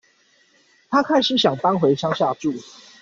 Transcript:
她開始想搬回鄉下住